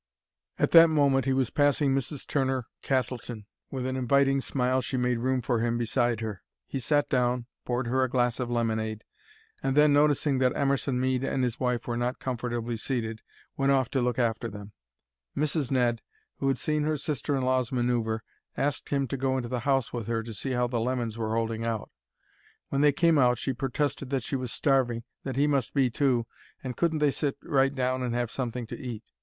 At that moment he was passing Mrs. Turner Castleton. With an inviting smile she made room for him beside her. He sat down, poured her a glass of lemonade, and then, noticing that Emerson Mead and his wife were not comfortably seated, went off to look after them. Mrs. Ned, who had seen her sister in law's manoeuvre, asked him to go into the house with her to see how the lemons were holding out. When they came out she protested that she was starving, that he must be too, and couldn't they sit right down and have something to eat?